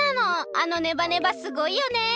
あのネバネバすごいよね！